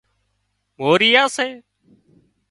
موريا سي